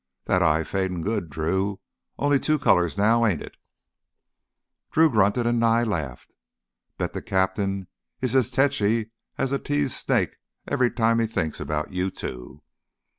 That eye's fadin' good, Drew, only two colors now, ain't it?" Drew grunted and Nye laughed. "Bet th' captain is as techy as a teased snake every time he thinks 'bout you two.